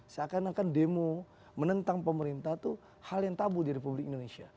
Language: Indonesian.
seakan akan demo menentang pemerintah itu hal yang tabu di republik indonesia